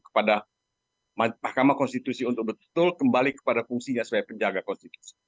kepada mahkamah konstitusi untuk betul kembali kepada fungsinya sebagai penjaga konstitusi